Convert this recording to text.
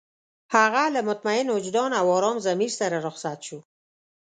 هغه له مطمئن وجدان او ارام ضمير سره رخصت شو.